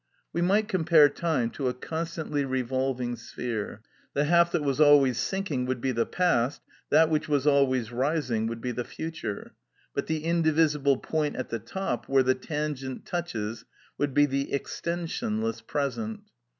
We might compare time to a constantly revolving sphere; the half that was always sinking would be the past, that which was always rising would be the future; but the indivisible point at the top, where the tangent touches, would be the extensionless present.